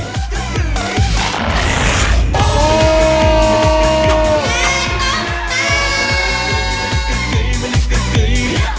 นี่ของดีของปู่กู